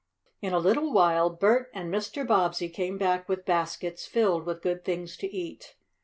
In a little while Bert and Mr. Bobbsey came back with baskets filled with good things to eat.